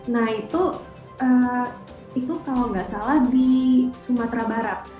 nah itu kalau nggak salah di sumatera barat